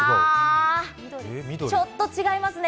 ああ、ちょっと違いますね